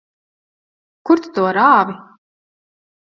Kur tu to rāvi?